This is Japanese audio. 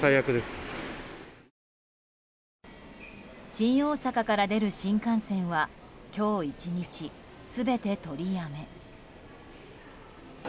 新大阪から出る新幹線は今日１日、全て取りやめ。